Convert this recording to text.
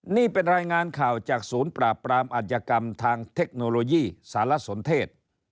นี่เป็นรายงานข่าวจากศูนย์ปราบปรามอัธยกรรมทางเทคโนโลยีสารสนเทศ